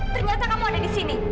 ternyata kamu ada di sini